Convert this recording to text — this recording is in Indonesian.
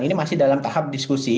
ini masih dalam tahap diskusi